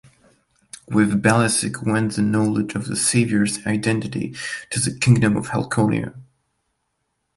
With Balasik went the knowledge of the savior's identity to the kingdom of Halconia.